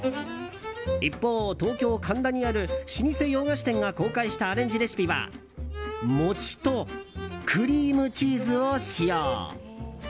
一方、東京・神田にある老舗洋菓子店が公開したアレンジレシピは餅とクリームチーズを使用。